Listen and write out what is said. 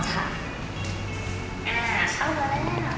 อ่าเข้าไปแล้ว